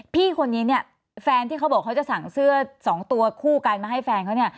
พี่คนนี้เนี่ยแฟนที่เขาบอกเขาจะสั่งเสื้อสองตัวคู่กันมาให้แฟนเขาเนี่ย